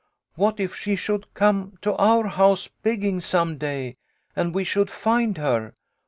"What if she should come to our house begging some day, and we should find her